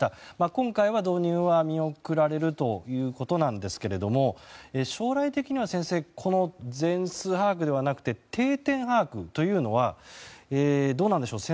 今回は、導入は見送られるということなんですけれども将来的には先生全数把握ではなくて定点把握というのはどうなんでしょう。